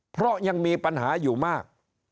เพราะยังมีปัญหาอยู่มาก